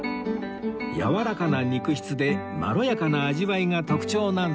やわらかな肉質でまろやかな味わいが特徴なんだそう